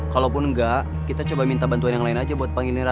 kalaupun enggak kita coba minta bantuan yang lain aja buat penginara